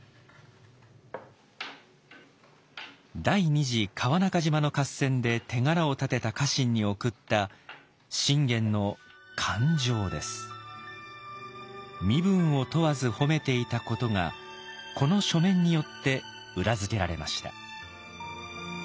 第２次「川中島の合戦」で手柄を立てた家臣に送った「身分を問わず褒めていた」ことがこの書面によって裏付けられました。